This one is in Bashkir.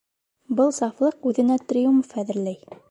Был сафлыҡ үҙенә триумф әҙерләй.